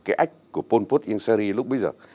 cái ách của pol pot yung seri lúc bây giờ